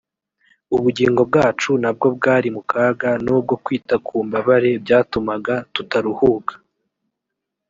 ubugingo bwacu na bwo bwari mu kaga n’ubwo kwita ku mbabare byatumaga tutaruhuka